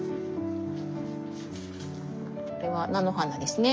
これは菜の花ですね。